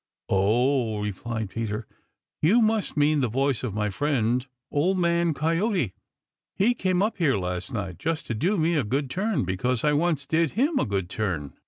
"Oh?" replied Peter, "you must mean the voice of my friend. Old Man Coyote. He came up here last night just to do me a good turn because I once did him a good turn."